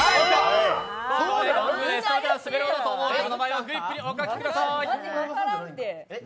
滑狼だろうと思う方の名前をフリップにお書きください。